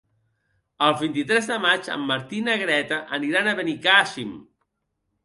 El vint-i-tres de maig en Martí i na Greta aniran a Benicàssim.